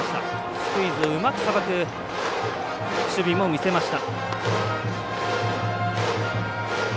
スクイズをうまくさばく守備も見せました。